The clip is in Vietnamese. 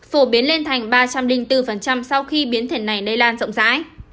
phổ biến lên thành ba trăm linh bốn sau khi biến thể này lây lan rộng rãi